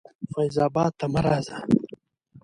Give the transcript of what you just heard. فیض آباد ته مه راځه.